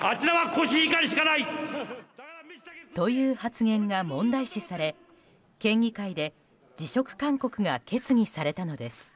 あちらはコシヒカリしかない！という発言が問題視され県議会で辞職勧告が決議されたのです。